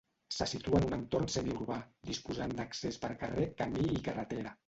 Se situa en un entorn semiurbà, disposant d'accés per carrer, camí i carretera.